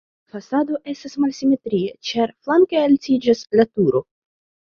La fasado estas malsimetria, ĉar flanke altiĝas la turo.